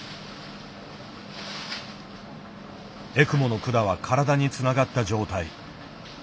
エクモの管は体につながった状態。